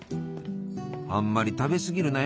あんまり食べ過ぎるなよ。